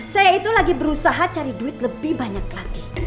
saya itu lagi berusaha cari duit lebih banyak lagi